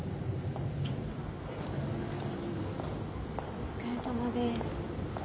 お疲れさまです。